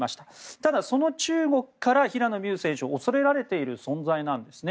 ただ、その中国から平野美宇選手は恐れられている存在なんですね。